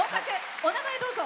お名前、どうぞ。